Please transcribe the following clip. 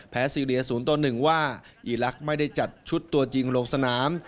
ซีเรีย๐ต่อ๑ว่าอีลักษณ์ไม่ได้จัดชุดตัวจริงลงสนาม